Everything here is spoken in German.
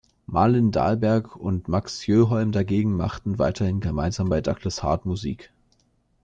Malin Dahlberg und Max Sjöholm dagegen machten weiterhin gemeinsam bei Douglas Heart Musik.